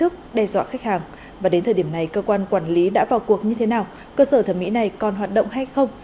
công an quản lý đã vào cuộc như thế nào cơ sở thẩm mỹ này còn hoạt động hay không